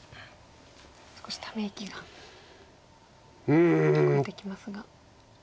少しため息が聞こえてきますが。